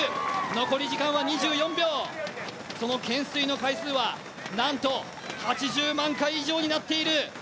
残り時間は２４秒、その懸垂の回数はなんと８０万回以上になっている。